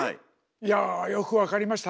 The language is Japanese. いやぁよく分かりました。